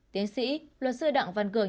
tiến sĩ luật sư đặng văn cường